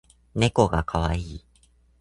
ねこがかわいい